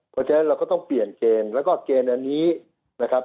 เพราะฉะนั้นเราก็ต้องเปลี่ยนเกณฑ์แล้วก็เกณฑ์อันนี้นะครับ